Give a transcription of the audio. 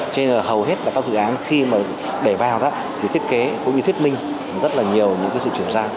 cho nên là hầu hết các dự án khi mà để vào thì thiết kế cũng như thiết minh rất là nhiều những sự chuyển ra